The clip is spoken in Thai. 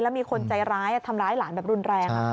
มีคนใจร้ายทำร้ายหลานแบบรุนแรง